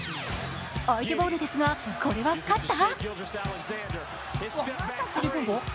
相手ボールですがこれは勝った？